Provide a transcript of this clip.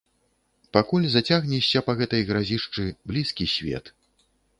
Пакуль зацягнешся па гэтай гразішчы, блізкі свет.